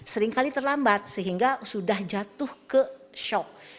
sering kali terlambat sehingga sudah jatuh ke shock